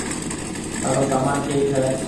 ٿارو سامان ڪيٿ هيَ۔